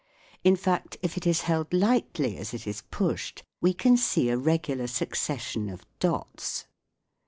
In fact, if it is held lightly as it is pushed we can see a regular succession of dots.